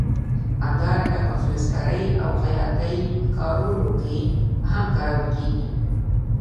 همدارنګه په فلزکارۍ او خیاطۍ کارونو کې هم کارول کېږي.